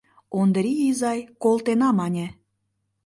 Ондрий изай «колтена» мане.